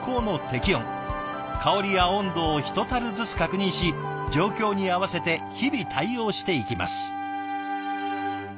香りや温度をひとたるずつ確認し状況に合わせて日々対応していきます。